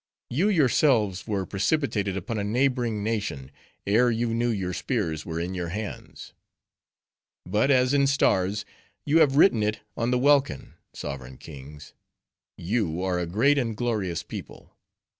You yourselves were precipitated upon a neighboring nation, ere you knew your spears were in your hands. "But, as in stars you have written it on the welkin, sovereign kings! you are a great and glorious people.